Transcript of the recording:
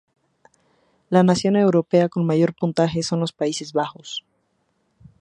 La nación europea con mayor puntaje son los Países Bajos.